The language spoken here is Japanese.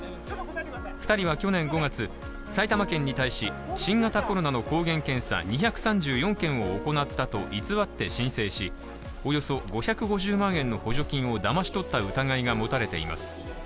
２人は去年５月、埼玉県に対し新型コロナの抗原検査２３４件を行ったと偽って申請しおよそ５５０万円の補助金をだまし取った疑いが持たれています。